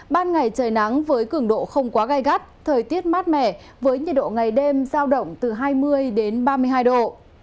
ban ngày trời nắng với cường độ không quá gai gắt thời tiết mát mẻ với nhiệt độ ngày đêm giao động từ hai mươi ba mươi hai độ